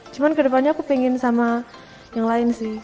cuma kedepannya aku pengen sama yang lain sih